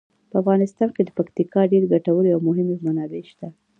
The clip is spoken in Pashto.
په افغانستان کې د پکتیکا ډیرې ګټورې او مهمې منابع شته.